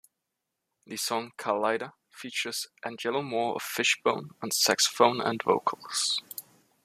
The song "Carlita" features Angelo Moore of Fishbone on saxophone and vocals.